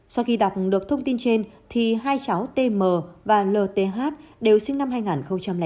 sau khi đọc được thông tin trên thì hai cháu t m và l t h đều sinh năm hai nghìn bốn